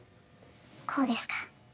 こうですか？